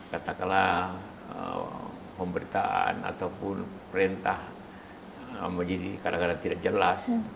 katakanlah pemberitaan ataupun perintah majelis kadang kadang tidak jelas